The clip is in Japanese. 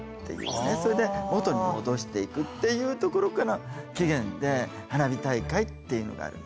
それで元に戻していくっていうところから起源で花火大会っていうのがあるの。